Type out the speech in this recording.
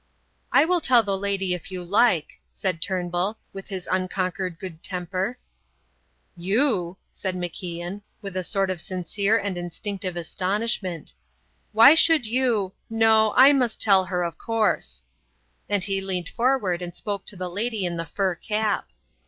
"I will tell the lady if you like," said Turnbull, with his unconquered good temper. "You!" said MacIan, with a sort of sincere and instinctive astonishment. "Why should you no, I must tell her, of course " And he leant forward and spoke to the lady in the fur cap.